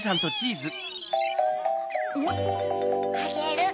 あげる。